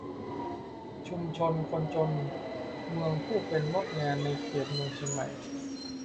ชุมชนคนจนเมืองผู้เป็นมดงานในเขตเมืองเชียงใหม่